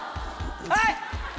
はい！